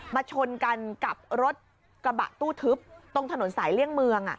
ชนกันกับรถกระบะตู้ทึบตรงถนนสายเลี่ยงเมือง